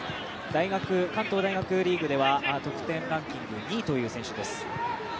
関東大学リーグでは得点ランキング２位という選手です。